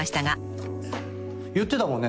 言ってたもんね。